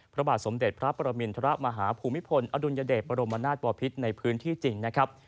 พระบาทสมเด็จพระปรมินทรมาฮภูมิพลอดุลยเดชบรมนาศบอพิษในพื้นที่จริงนะครับ